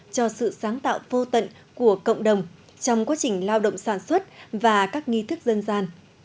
cho sự sáng tạo vô tận của cộng đồng trong quá trình lao động sản xuất và các nghi thức dân gian